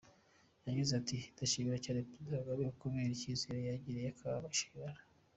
Yagize ati “Ndashimira cyane Perezida Kagame kubera icyizere yangiriye akampa inshingano.